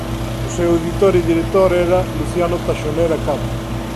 O seu editor e director era Luciano Taxonera Cabo.